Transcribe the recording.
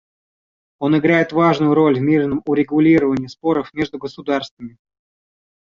Он играет важную роль в мирном урегулировании споров между государствами.